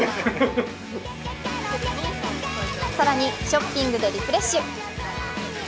更にショッピングでリフレッシュ。